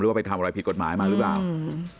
ว่าไปทำอะไรผิดกฎหมายมาหรือเปล่าอืม